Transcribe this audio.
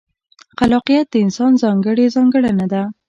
خلاقیت د انسان ځانګړې ځانګړنه ده.